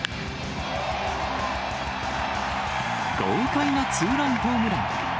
豪快なツーランホームラン。